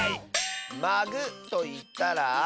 「まぐ」といったら。